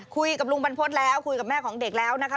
คุยกับลุงบรรพฤษแล้วคุยกับแม่ของเด็กแล้วนะคะ